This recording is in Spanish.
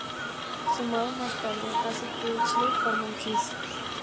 Sumado más tarde Ace Frehley forman Kiss.